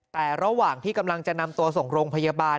แต่ระหว่างที่กำลังจะนำตัวส่งโรงพยาบาล